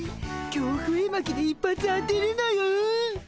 恐怖絵巻で一発当てるのよ。